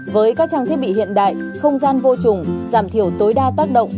với các trang thiết bị hiện đại không gian vô trùng giảm thiểu tối đa tác động